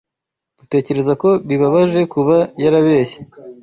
Dutekereza ko bibabaje kuba yarabeshye.